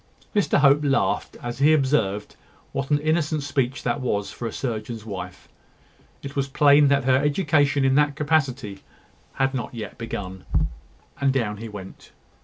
Mr Hope laughed as he observed what an innocent speech that was for a surgeon's wife. It was plain that her education in that capacity had not begun. And down he went.